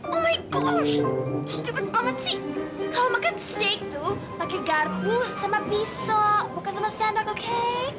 oh my gosh stupid banget sih kalau makan steak tuh pakai garpu sama pisau bukan sama sendok oke